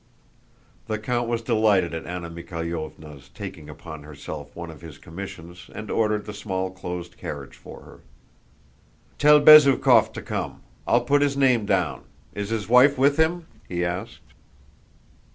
The count was delighted at Anna Mikháylovna's taking upon herself one of his commissions and ordered the small closed carriage for her. "Tell Bezúkhov to come. I'll put his name down. Is his wife with him?" he asked.